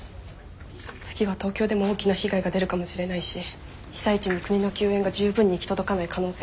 次は東京でも大きな被害が出るかもしれないし被災地に国の救援が十分に行き届かない可能性もある。